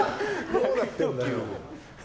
どうなってるんだよ。